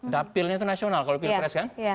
dapilnya itu nasional kalau pilpres kan